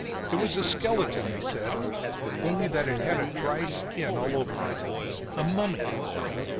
It was a skeleton, they said, only that it had a dry skin all over it. A mummy.